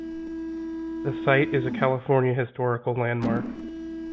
The site is a California Historical Landmark.